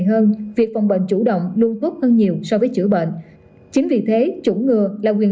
hơn việc phòng bệnh chủ động luôn tốt hơn nhiều so với chữa bệnh chính vì thế chủng ngừa là quyền